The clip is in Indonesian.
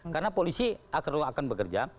karena polisi akan bekerja